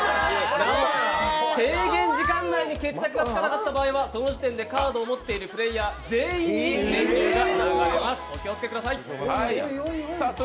制限時間ないに決着がつかなかった場合はその時点でカードを持っているプレーヤー、全員に電流が流れます、お気をつけください。